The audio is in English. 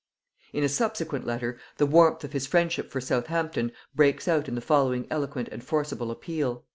In a subsequent letter, the warmth of his friendship for Southampton breaks out in the following eloquent and forcible appeal.